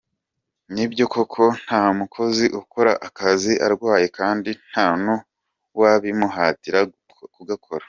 Ni byo koko nta mukozi ukora akazi arwaye kandi nta n’uwabimuhatira kugakora.